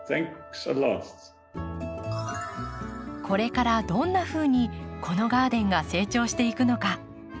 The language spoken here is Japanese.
これからどんなふうにこのガーデンが成長していくのか。